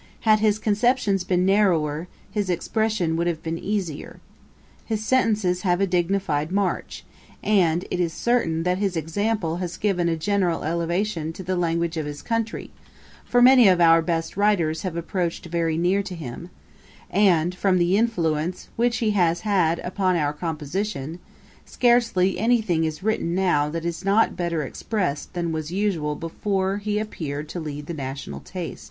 Had his conceptions been narrower, his expression would have been easier. His sentences have a dignified march; and, it is certain, that his example has given a general elevation to the language of his country, for many of our best writers have approached very near to him; and, from the influence which he has had upon our composition, scarcely any thing is written now that is not better expressed than was usual before he appeared to lead the national taste.